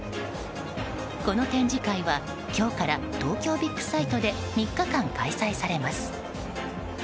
この展示会は今日から東京ビッグサイトで３日間、開催されます。